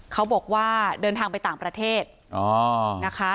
เขาบอกว่าเดินทางไปต่างประเทศนะคะ